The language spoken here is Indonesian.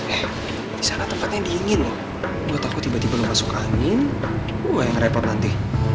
eh di sana tempatnya diingin ya gue takut tiba tiba masuk angin gue yang repot nanti